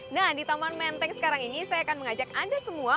nah di taman menteng sekarang ini saya akan mengajak anda semua